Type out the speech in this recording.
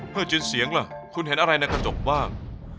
เพื่อจินเสียงล่ะคุณเห็นอะไรในกระจกบ้าง